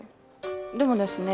でもですね